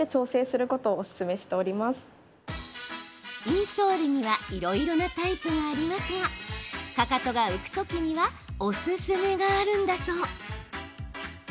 インソールにはいろいろなタイプがありますがかかとが浮くときにはおすすめがあるんだそう。